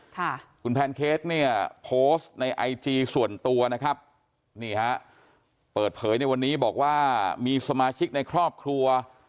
ค่ะคุณแพนเค้กเนี่ยโพสต์ในไอจีส่วนตัวนะครับนี่ฮะเปิดเผยในวันนี้บอกว่ามีสมาชิกในครอบครัว